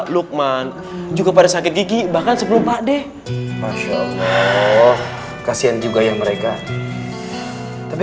lukman juga pada sakit gigi bahkan sebelum pak deh marsya allah kasian juga ya mereka tapi